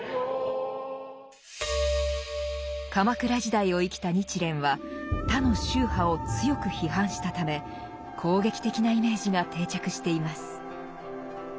鎌倉時代を生きた日蓮は他の宗派を強く批判したため攻撃的なイメージが定着しています。